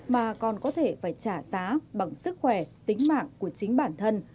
mà còn có thể phải trả giá bằng sức khỏe tính mạng của chính bản thân